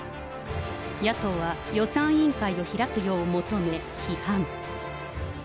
野党は予算委員会を開くよう求め、批判。